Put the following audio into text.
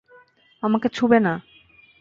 আমাকে ছুঁবে না।